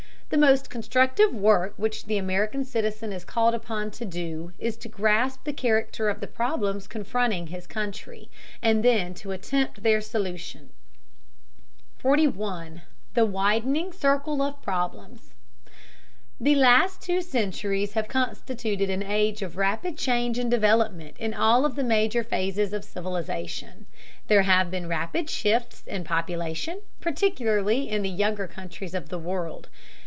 The most constructive work which the American citizen is called upon to do is to grasp the character of the problems confronting his country, and then to attempt their solution. 41. THE WIDENING CIRCLE OF PROBLEMS. The last two centuries have constituted an age of rapid change and development in all of the major phases of civilization. There have been rapid shifts in population, particularly in the younger countries of the world.